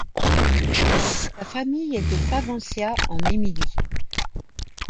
Sa famille est de Faventia, en Émilie.